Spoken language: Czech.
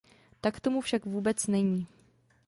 Tak tomu však vůbec není.